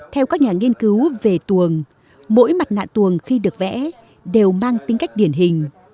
theo các nhà nghiên cứu về tuồng mỗi mặt nạ tuồng khi được vẽ đều mang tính cách điển hình